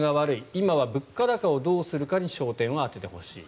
今は物価高をどうするかに焦点を当ててほしい。